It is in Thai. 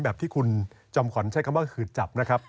แบบที่คุณจอมขวัญใช้คำว่าขืดจับนะครับ